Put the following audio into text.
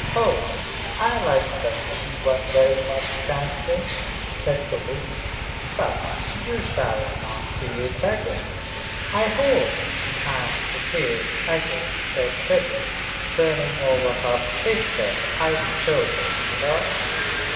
"Oh, I like the green one very much, Tante," said Karen. "But you shall not see it again." "I hope I'm to see it again," said Betty, turning over her pistol. "I chose it, you know."